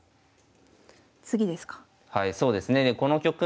次ですか。